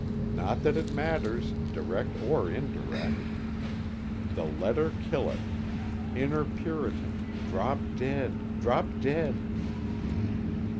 Not that it matters, direct or indirect. The letter killeth inner Puritan, drop dead, drop dead!